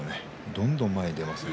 どんどん前に出ますね